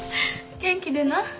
元気でな。